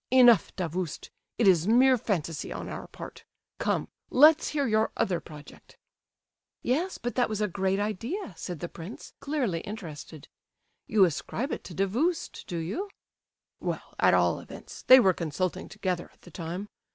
Enough, Davoust, it is mere phantasy on our part. Come, let's hear your other project.'" "Yes, but that was a great idea," said the prince, clearly interested. "You ascribe it to Davoust, do you?" "Well, at all events, they were consulting together at the time.